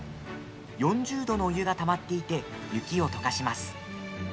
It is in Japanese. ４０度のお湯がたまっていて雪をとかします。